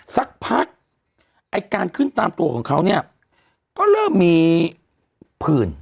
สักพักการขึ้นตามตัวของเขาก็เริ่มมีผื่น